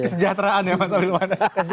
kesejahteraan ya mas